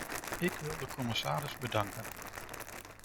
Ik wil de commissaris bedanken.